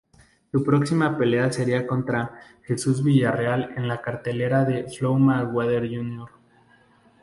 Su próxima pelea sería contra Jesús Villarreal en la cartelera de Floyd Mayweather, Jr.